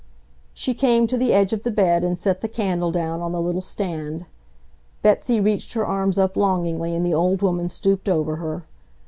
She came to the edge of the bed and set the candle down on the little stand. Betsy reached her arms up longingly and the old woman stooped over her.